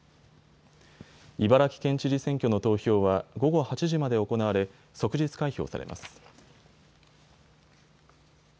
茨城県知事選挙の投票は午後８時まで行われ即日開票されます。